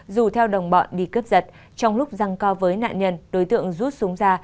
dù theo đồng bọn đi cướp giật trong lúc răng co với nạn nhân đối tượng rút súng ra